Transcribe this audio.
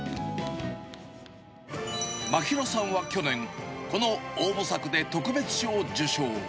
まひろさんは去年、この応募作で特別賞を受賞。